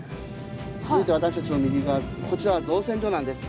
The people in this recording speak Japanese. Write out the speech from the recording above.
続いて私たちの右側こちらは造船所なんです。